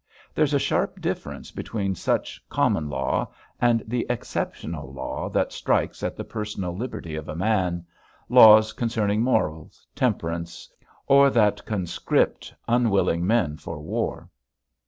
There's a sharp difference between such "common" law and the exceptional law that strikes at the personal liberty of a man, laws concerning morals, temperance, or that conscript unwilling men for war.